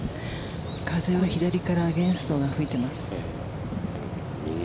風は左からアゲンストが吹いています。